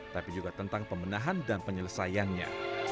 tapi juga tentang pemenahan dan penyelesaiannya